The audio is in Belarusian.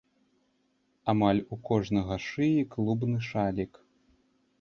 Амаль у кожнага шыі клубны шалік.